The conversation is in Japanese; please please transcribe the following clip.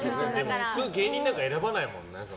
普通、芸人なんか選ばないもんね。